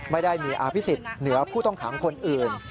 ไม่ได้มีอภิษฎเหนือผู้ต้องขังคนอื่น